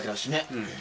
うん。